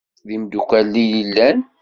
D imdukal i llan?